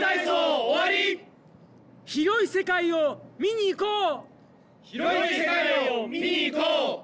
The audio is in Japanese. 広い世界を見にいこう！